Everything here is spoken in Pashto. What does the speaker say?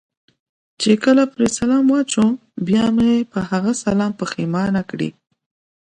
چې کله پرې سلام واچوم، بیا مې په هغه سلام پښېمانه کړي.